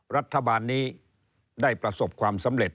รัฐบาลนี้ได้ประสบความสำเร็จ